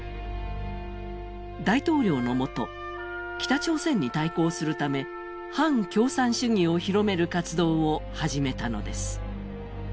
大統領の下、北朝鮮に対抗するため反共産主義を広める活動を始めたのです。